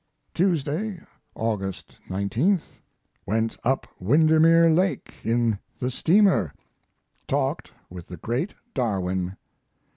Tuesday, August 19th. Went up Windermere Lake in the steamer. Talked with the great Darwin.